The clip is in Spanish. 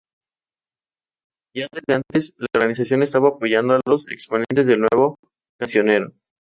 Ya desde antes, la organización estaba apoyando a los exponentes del nuevo cancionero.